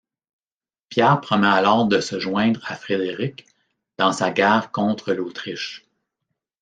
Pierre promet alors de se joindre à Frédéric dans sa guerre contre l'Autriche.